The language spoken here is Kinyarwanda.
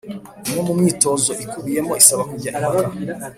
Imwe mu myitozo ikubiyemo isaba kujya impaka